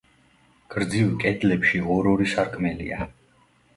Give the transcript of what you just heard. გრძივ კედლებში ორ-ორი სარკმელია.